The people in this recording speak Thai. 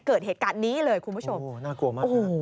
เกิดเหตุการณ์นี้เลยคุณผู้ชมโอ้โหน่ากลัวมาก